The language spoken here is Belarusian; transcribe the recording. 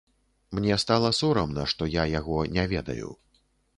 Мне стала сорамна, што я яго не ведаю.